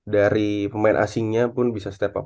dari pemain asingnya pun bisa step up